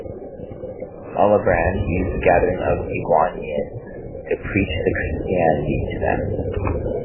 Alabrand used the gathering of Ugaunians to preach the Christianity to them.